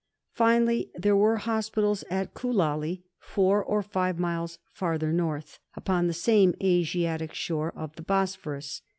Finally, there were hospitals at Koulali, four or five miles farther north, upon the same Asiatic shore of the Bosphorus.